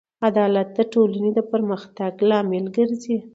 عدالت د ټولنې د پرمختګ لامل ګرځي.